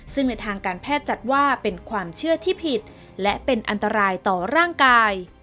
ซึ่งในทางการแพทย์จัดว่าเป็นความเชื่อที่ผิดและเป็นอันตรายต่อร่างกาย